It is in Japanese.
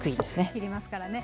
切りますからね。